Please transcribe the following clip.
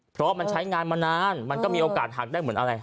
เพราะมันใช้งานมานานมันก็มีโอกาสหักได้เหมือนอะไร